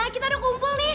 kita kumpul nih